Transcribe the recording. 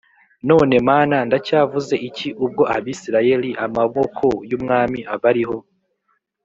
None Mana ndacyavuze iki ubwo Abisirayeli Amaboko y umwami abariho